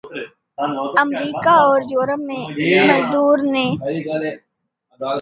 مریکہ اور یورپ میں مزدوروں نے